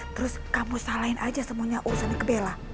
terus kamu salahin aja semuanya urusannya kebela